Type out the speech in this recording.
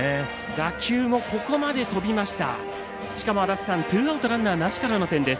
打球もここまで飛びました。